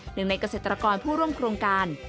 หนึ่งในเกษตรกรผู้ร่วมโครงการ